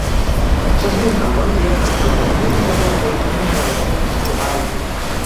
S'esmenta el bon dia perquè el moviment sembla fer una reverència per saludar a algú.